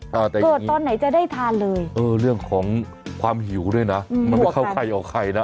เกิดตอนไหนจะได้ทานเลยเออเรื่องของความหิวด้วยนะมันไม่เข้าใครออกใครนะ